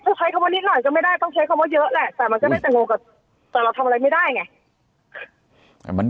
นทานนิดน่ะก็นะต้องใช้คำว่าเยอะแหละแต่มันก็ไม่ถูกกันแต่เรา